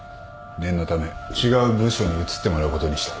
念のため違う部署に移ってもらうことにした。